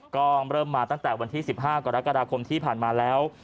ก็เริ่มมาตั้งแต่วันที่๑๕กรกฎาคมที่ผ่านมาแล้ว